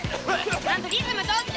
ちゃんとリズム取って！